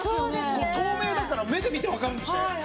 これ透明だから目で見てわかるんですね。